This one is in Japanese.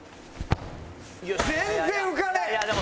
全然浮かねえ！